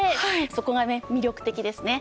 そこがね魅力的ですね。